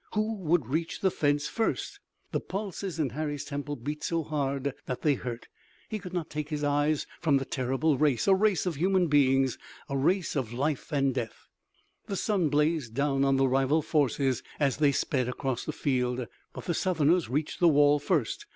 Who would reach the fence first? The pulses in Harry's temple beat so hard that they hurt. He could not take his eyes from that terrible race, a race of human beings, a race of life and death. The sun blazed down on the rival forces as they sped across the field. But the Southerners reached the wall first.